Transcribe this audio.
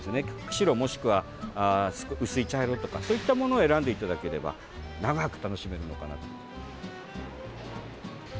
白もしくは薄い茶色とかそういったものを選んでいただければ長く楽しめるのかなと思います。